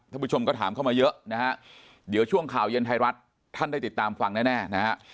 ผู้ชมก็ถามเข้ามาเยอะนะฮะเดี๋ยวช่วงข่าวเย็นไทยรัฐท่านได้ติดตามฟังแน่นะฮะ